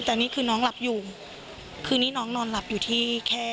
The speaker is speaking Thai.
แต่นี่คือน้องหลับอยู่คือนี่น้องนอนหลับอยู่ที่แค่